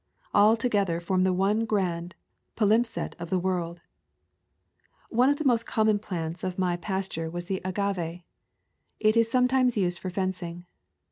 All together form the one grand palimpsest of the world. One of the most common plants of my pas [ 164 ] A Sojourn in Cuba ture was the agave. It is sometimes used for fencing.